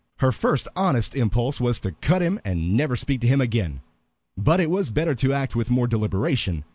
Her first honest impulse was to cut him and never speak to him again. But it was better to act with more deliberation.